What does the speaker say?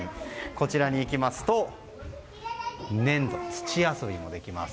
こちらに行きますと粘土、土遊びもできます。